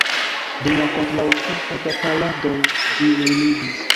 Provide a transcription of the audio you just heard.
Dum la kontraŭturkaj bataladoj ĝi ruiniĝis.